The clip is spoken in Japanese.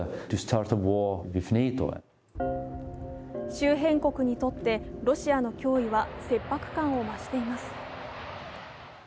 周辺国にとってロシアの脅威は切迫感を増しています。